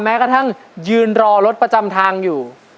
แม้กระทั่งยืนรอรถประจำทางอยู่